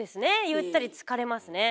ゆったりつかれますね。